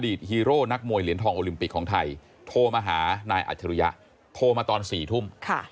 ฮีโร่นักมวยเหรียญทองโอลิมปิกของไทยโทรมาหานายอัจฉริยะโทรมาตอน๔ทุ่ม